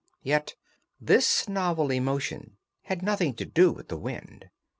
Yet this novel emotion had nothing to do with the wind.